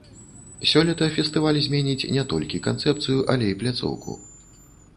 Сёлета фестываль зменіць не толькі канцэпцыю, але і пляцоўку.